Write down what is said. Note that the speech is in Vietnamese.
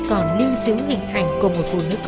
còn lưu giữ hình ảnh của một phụ nữ có ngoại hình